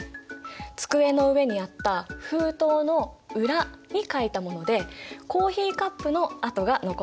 机の上にあった封筒の裏に書いたものでコーヒーカップの跡が残っているらしいんだ。